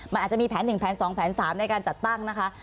มันอาจจะมีแผน๑แผน๒แผน๓ในการจัดตั้งนะคะ